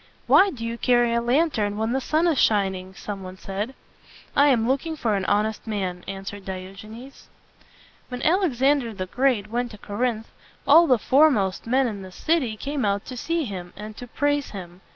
"Why do you carry a lantern when the sun is shining?" some one said. "I am looking for an honest man," answered Diogenes. When Alexander the Great went to Cor inth, all the fore most men in the city came out to see him and to praise him.